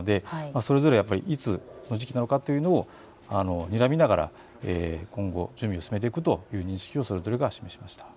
それぞれいつの時期なのかということをにらみながら今後、進めていくということを言っていました。